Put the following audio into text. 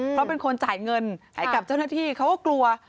เพราะเป็นคนจ่ายเงินให้กับเจ้าหน้าที่เขาก็กลัว